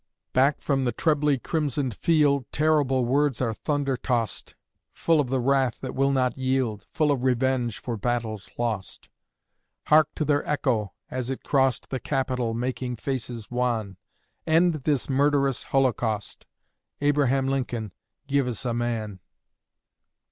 Back from the trebly crimsoned field Terrible words are thunder tost; Full of the wrath that will not yield, Full of revenge for battles lost! Hark to their echo, as it crost The Capital, making faces wan: End this murderous holocaust; Abraham Lincoln, give us a MAN!